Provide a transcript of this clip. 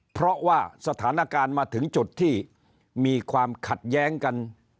เพราะว่าสถานการณ์มาถึงจุดที่มีความขัดแย้งกัน